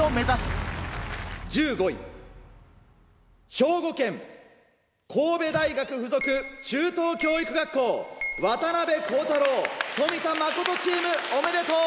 兵庫県神戸大学附属中等教育学校渡皓太朗・冨田真人チームおめでとう！